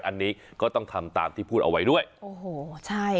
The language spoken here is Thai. อันนี้ก็ต้องทำตามที่พูดเอาไว้ด้วยโอ้โหใช่